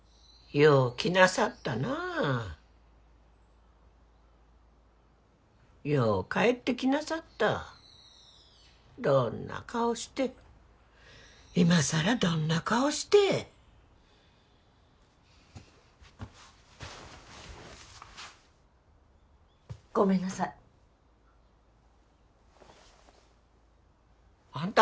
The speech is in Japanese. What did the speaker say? よう来なさったなあよう帰ってきなさったどんな顔して今さらどんな顔してごめんなさいあんた